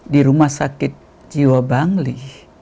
di rumah sakit jiwa bangli